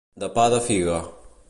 De pa de figa.